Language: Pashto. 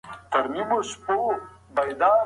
د ژوند ټول اړخونه باید مطالعه سي.